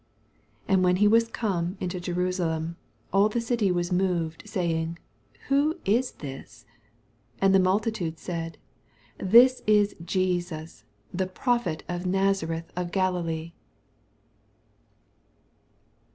10 And wnen he was. come into Je msalem, all the city was moved, say ing, Who is this ? 11 And the multitude said, This is Jesus, the prophet of Nazareth of Galilee.